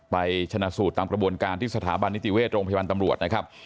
ชนะสูตรตามกระบวนการที่สถาบันนิติเวชโรงพยาบาลตำรวจนะครับ